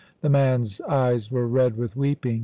The man's eyes were red with weeping.